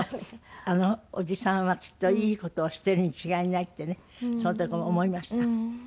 あのおじさんはきっといい事をしているに違いないってねその時思いました。